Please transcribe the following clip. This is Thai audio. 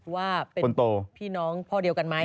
ว่าเป็นคนโตพี่น้องพ่อเดียวกันไหม